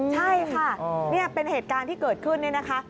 ใช่ค่ะนี่เป็นเหตุการณ์ที่เกิดขึ้นเนี่ยนะคะ